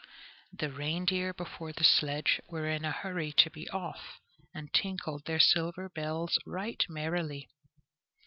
The reindeer before the sledge were in a hurry to be off, and tinkled their silver bells right merrily.